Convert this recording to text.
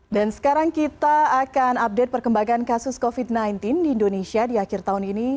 dan sekarang kita akan update perkembangan kasus covid sembilan belas di indonesia di akhir tahun ini